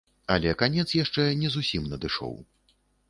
Але канец яшчэ не зусім надышоў.